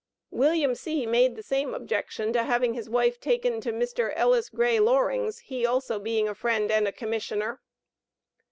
William C. made the same objection to having his wife taken to Mr. Ellis Gray Loring's, he also being a friend and a Commissioner."